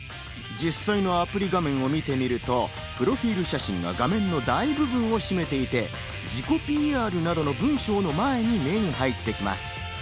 実際のアプリ画面を見てみると、プロフィル写真は画面の大部分を占めていて、自己ＰＲなどの文章の前に目に入ってきます。